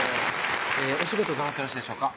お仕事伺ってよろしいでしょうか